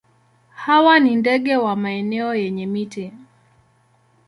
Hawa ni ndege wa maeneo yenye miti.